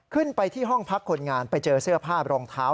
ไปที่ห้องพักคนงานไปเจอเสื้อผ้ารองเท้า